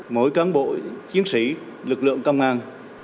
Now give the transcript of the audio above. mỗi cán bộ chiến sĩ lực lượng công an